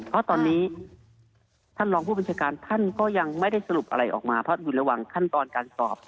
เพราะตอนนี้ท่านรองผู้บัญชาการท่านก็ยังไม่ได้สรุปอะไรออกมาเพราะอยู่ระหว่างขั้นตอนการสอบ